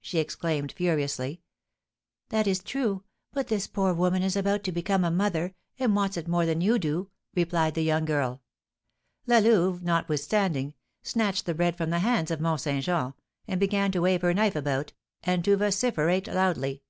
she exclaimed, furiously. 'That is true; but this poor woman is about to become a mother, and wants it more than you do,' replied the young girl. La Louve, notwithstanding, snatched the bread from the hands of Mont Saint Jean, and began to wave her knife about, and to vociferate loudly.